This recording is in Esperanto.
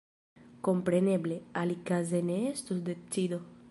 Kompreneble, alikaze ne estus decido.